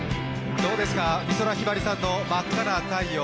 どうですか、美空ひばりさんの「真赤な太陽」。